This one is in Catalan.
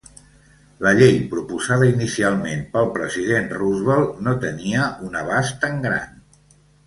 La llei proposada inicialment pel President Roosevelt no tenia un abast tan gran.